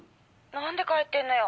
「なんで帰ってんのよ！？」